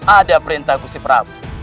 ada perintah gusih prabu